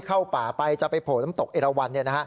เข้าป่าไปจะไปโผล่น้ำตกเอราวัน